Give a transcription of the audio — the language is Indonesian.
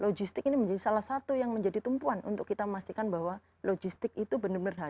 logistik ini menjadi salah satu yang menjadi tumpuan untuk kita memastikan bahwa logistik itu benar benar